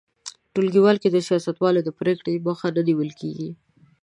ټولواک کې د سیاستوالو د پرېکړو مخه نه نیول کیږي.